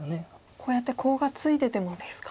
こうやってコウがついててもですか。